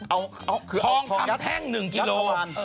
เอาทองคำแท่ง๑กิโล